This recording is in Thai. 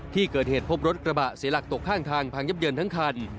ที่เกิดเหตุพบรถกระบะเสียหลักตกข้างทางพังยับเยินทั้งคัน